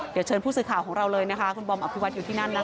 เดี๋ยวเชิญผู้สื่อข่าวของเราเลยนะคะคุณบอมอภิวัตอยู่ที่นั่นนะคะ